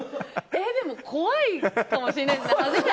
でも、怖いかもしれないです。